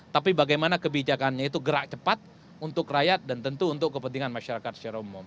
tapi bagaimana kebijakannya itu gerak cepat untuk rakyat dan tentu untuk kepentingan masyarakat secara umum